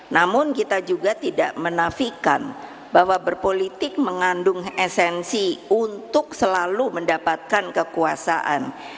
namun kita juga tidak menafikan bahwa berpolitik mengandung esensi untuk selalu mendapatkan kekuasaan